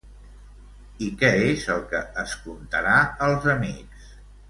I què és el que es contarà als amics?